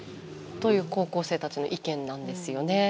という高校生たちの意見なんですよね。